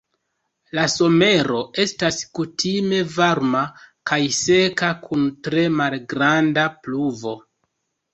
La somero estas kutime varma kaj seka kun tre malgranda pluvo.